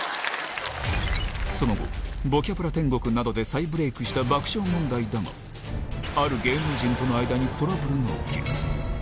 その後、ボキャブラ天国などで再ブレークした爆笑問題だが、ある芸能人との間にトラブルが起きる。